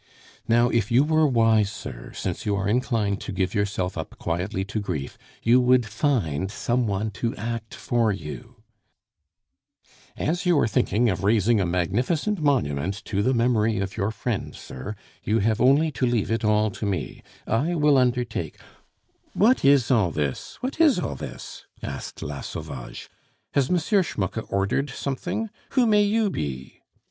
"Now, if you were wise, sir, since you are inclined to give yourself up quietly to grief, you would find some one to act for you " "As you are thinking of raising a magnificent monument to the memory of your friend, sir, you have only to leave it all to me; I will undertake " "What is all this? What is all this?" asked La Sauvage. "Has M. Schmucke ordered something? Who may you be?"